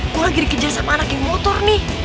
gue lagi dikejar sama anak yang motor nih